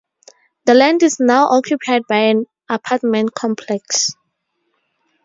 The land is now occupied by an apartment complex.